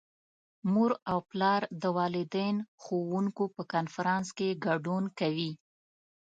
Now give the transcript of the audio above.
مور او پلار د والدین - ښوونکو په کنفرانس کې ګډون کوي.